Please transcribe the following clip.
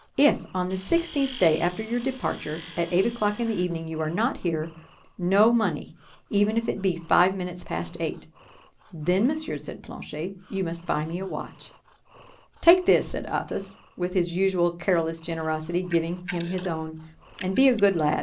If, on the sixteenth day after your departure, at eight o'clock in the evening you are not here, no money—even if it be but five minutes past eight." "Then, monsieur," said Planchet, "you must buy me a watch." "Take this," said Athos, with his usual careless generosity, giving him his own, "and be a good lad.